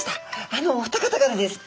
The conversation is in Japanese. あのお二方からです。